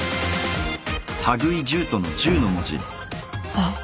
あっ。